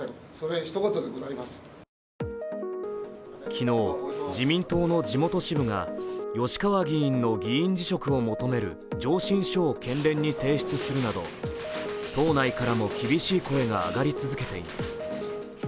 昨日、自民党の地元支部が吉川議員の議員辞職を求める上申書を県連に提出するなど、党内からも厳しい声が上がり続けています。